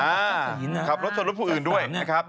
ขับรถชนรถผู้อื่นด้วยนะครับ